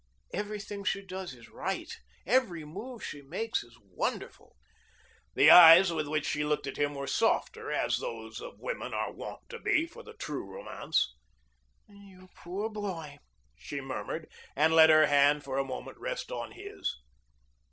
Everything she does is right. Every move she makes is wonderful." The eyes with which she looked at him were softer, as those of women are wont to be for the true romance. "You poor boy," she murmured, and let her hand for a moment rest on his.